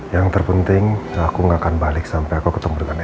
yang terpenting aku gak akan balik sampai aku ketemu dengan